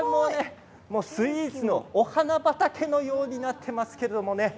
スイーツのお花畑のようになっていますけどね。